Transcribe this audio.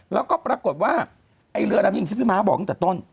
แล้วก็ปรากฏว่าเหลือรับยิ่งที่พี่ม้าบอกตั้งแต่ต้น